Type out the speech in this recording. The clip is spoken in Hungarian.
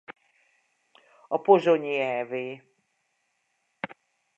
A pozsonyi ev.